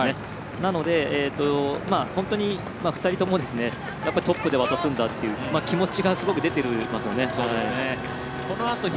なので、本当に２人ともトップで渡すんだっていう気持ちがすごく出ていますよね。